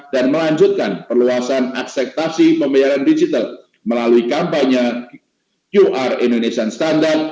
dan melanjutkan perluasan akses pembayaran digital melalui kampanye qr indonesia standard